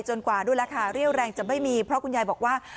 กว่าด้วยราคาเรี่ยวแรงจะไม่มีเพราะคุณยายบอกว่า